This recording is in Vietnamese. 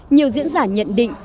nhiều diễn giả nhận định